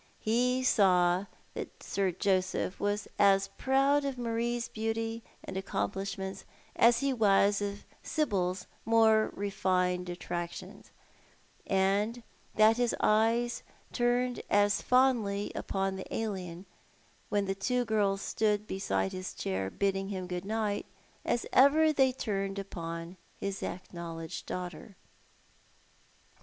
He saw that Sir Joseph was as proud of Marie's beauty and accomplishments as he was of Sibyl's more refined attractions, that his eyes turned as fondly upon the alien when the two girls stood beside his chair bidding him good night, as ever they turned upon his acknowledged daughter.